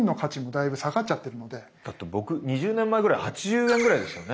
だって僕２０年前ぐらい８０円ぐらいですよね。